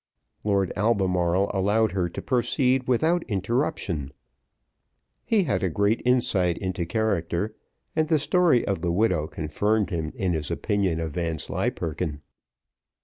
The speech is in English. Lord Albemarle allowed her to proceed without interruption, he had a great insight into character, and the story of the widow confirmed him in his opinion of Vanslyperken.